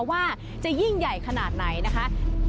ว่าจะยิ่งใหญ่ขนาดไหนนะคะ